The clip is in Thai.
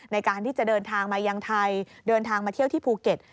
ในการที่จะเดินทางมายังไทยเดินทางมาเที่ยวที่ภูเก็ต